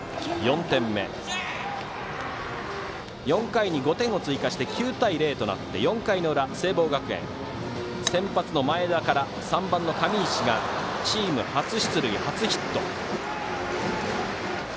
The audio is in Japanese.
４回に５点を追加して９対０となって４回の裏聖望学園、先発の前田から３番の上石がチーム初出塁、初ヒット。